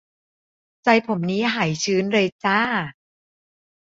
ใจผมนี้หายชื้นเลยจร้า